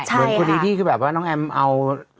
เหมือนคนนี้ที่คือแบบว่าน้องแอมเอา